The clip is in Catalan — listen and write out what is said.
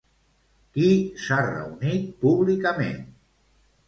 Qui s'ha reunit públicament?